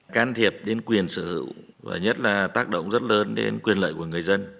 can thiệp đến quyền sở hữu và nhất là tác động rất lớn đến quyền lợi của người dân